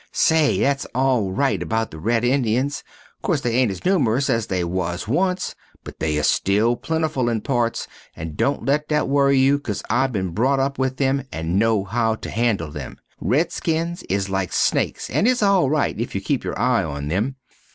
Say, thats al rite about the Red Indians corse they aint as numrous as they was once but there still plentiful in parts but dont let that worry you cause I been brot up with them and no how to handle them. Red Skins is like snakes and is al rite if you keep your eye on them.